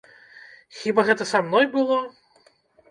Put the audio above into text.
Хіба гэта са мной было?